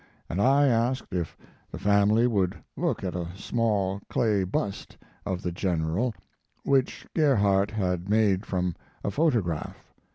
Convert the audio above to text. and I asked if the family would look at a small clay bust of the General which Gerhardt had made from a photograph.